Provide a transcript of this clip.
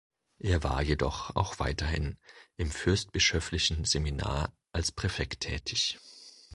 Er war jedoch auch weiterhin im fürstbischöflichen Seminar als Präfekt tätig.